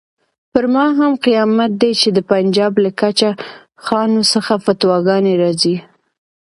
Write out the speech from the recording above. پر ما هم قیامت دی چې د پنجاب له چکله خانو څخه فتواګانې راځي.